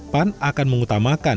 pan akan mengutamakan